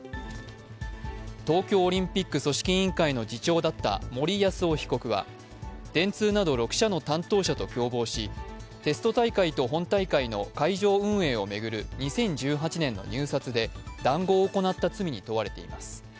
東京オリンピック組織委員会の次長だった森泰夫被告は電通など６社の担当者と共謀しテスト大会と本大会の会場運営を巡る２０１８年の入札で談合を行った罪に問われています。